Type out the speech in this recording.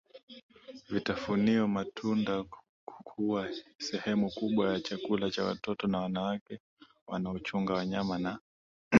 vitafunio matunda huwa sehemu kubwa ya chakula cha watoto na wanawake wanaochunga wanyama na